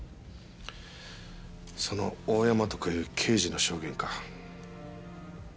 その大山とかいう刑事の証言か。